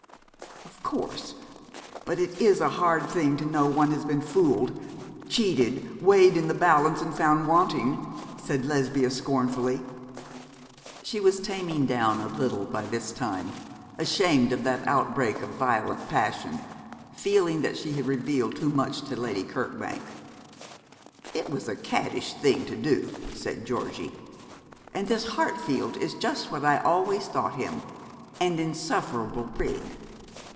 'Of course; but it is a hard thing to know one has been fooled, cheated, weighed in the balance and found wanting,' said Lesbia, scornfully. She was taming down a little by this time, ashamed of that outbreak of violent passion, feeling that she had revealed too much to Lady Kirkbank. 'It was a caddish thing to do,' said Georgie; 'and this Hartfield is just what I always thought him an insufferable prig.